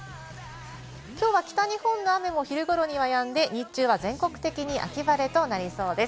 北日本の雨も昼頃にはやんで、日中は全国的に秋晴れとなりそうです。